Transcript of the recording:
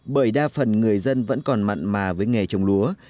bởi đa phần người dân vẫn còn mặn mà với nghề trồng lúa